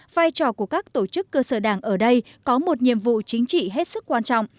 vai trò của các tổ chức cơ sở đảng ở đây có một nhiệm vụ chính trị hết sức quan trọng